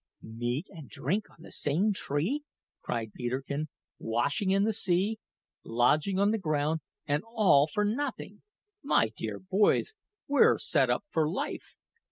"Meat and drink on the same tree!" cried Peterkin; "washing in the sea, lodging on the ground and all for nothing! My dear boys, we're set up for life!